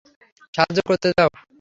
সাহায্য করতে দাও।